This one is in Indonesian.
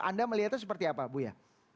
anda melihatnya seperti apa buya